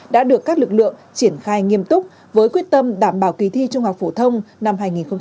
đã được các lực lượng triển khai nghiêm túc với quyết tâm đảm bảo kỳ thi trung học phổ thông năm hai nghìn một mươi chín